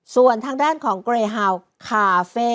ส่วนทางด้านของเกรฮาวคาเฟ่